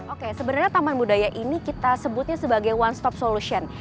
oke sebenarnya taman budaya ini kita sebutnya sebagai one stop solution